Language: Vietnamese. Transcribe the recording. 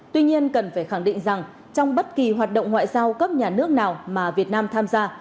tuy nhiên cần phải khẳng định rằng trong bất kỳ hoạt động ngoại giao cấp nhà nước nào mà việt nam tham gia